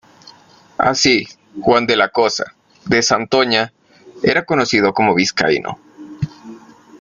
Así, Juan de la Cosa, de Santoña, era conocido como vizcaíno.